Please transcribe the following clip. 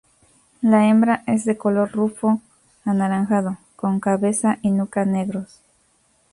La hembra es de color rufo-anaranjado, con cabeza y nuca negros.